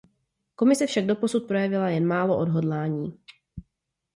Komise však doposud projevila jen málo odhodlání.